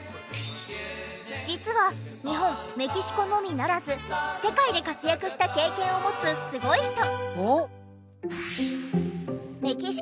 実は日本メキシコのみならず世界で活躍した経験を持つすごい人。